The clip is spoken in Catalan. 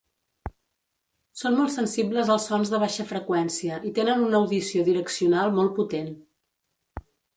Són molt sensibles als sons de baixa freqüència i tenen una audició direccional molt potent.